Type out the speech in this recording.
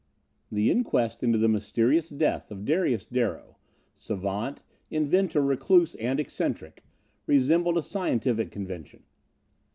] The inquest into the mysterious death of Darius Darrow, savant, inventor, recluse and eccentric, resembled a scientific convention.